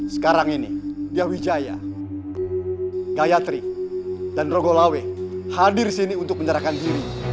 sekarang ini gawijaya gayatri dan rogolawe hadir di sini untuk menyerahkan diri